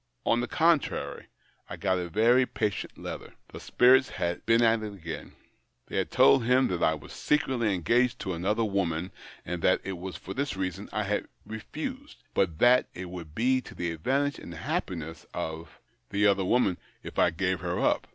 On the contrary, I got a very patient letter. The spirits had been at it again. They had told him that I was secretly engaged to another woman, and that it was for this reason I had refused, but that it would be to the advantage and happiness of THE OCTAVE OF CLAUDIUS. 79 tlie other woman if I gave her up.